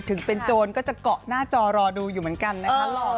ถึงเป็นโจรก็จะเกาะหน้าจอรอดูอยู่เหมือนกันนะคะ